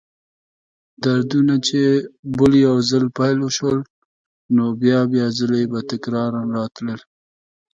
دردونه چې به یو ځل پیل شول، نو بیا بیا ځلې به تکراراً راتلل.